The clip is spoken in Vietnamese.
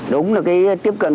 đúng là cái tiếp cận